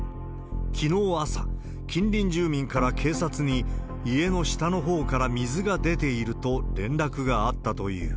きのう朝、近隣住民から警察に、家の下のほうから水が出ていると連絡があったという。